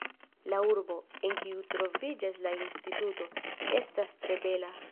La urbo, en kiu troviĝas la instituto, estas tre bela!